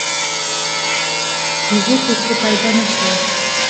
جیبو کې څه پیدا نه شول.